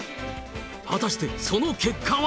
果たしてその結果は。